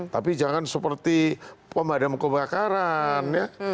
tapi jangan seperti pemadam kebakaran ya